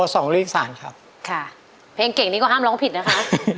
อ่าทบส่องลูกศาลครับค่ะเพลงเก่งนี่ก็ห้ามร้องผิดนะครับ